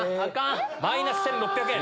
マイナス１６００円。